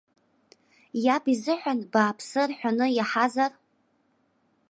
Иаб изыҳәан бааԥсы рҳәоны иаҳазар?